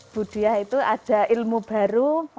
budiah itu ada ilmu baru memperkenalkan ilmu